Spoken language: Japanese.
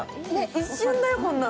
一瞬だよ、こんなの。